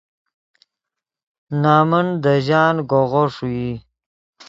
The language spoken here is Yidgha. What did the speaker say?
نمن دے ژان گوغو ݰوئی